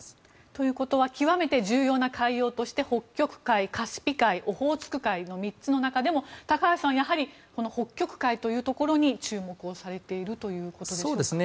ということは極めて重要な海洋として北極海、カスピ海オホーツク海の３つの中でも高橋さんはやはり北極海というところに注目されているということでしょうか？